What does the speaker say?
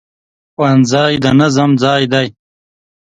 ښوونځی د نظم ځای دی